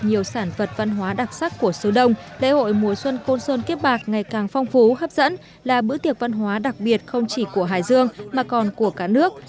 nhiều sản vật văn hóa đặc sắc của xứ đông lễ hội mùa xuân côn sơn kiếp bạc ngày càng phong phú hấp dẫn là bữa tiệc văn hóa đặc biệt không chỉ của hải dương mà còn của cả nước